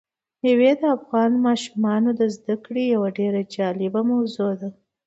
مېوې د افغان ماشومانو د زده کړې یوه ډېره جالبه موضوع ده.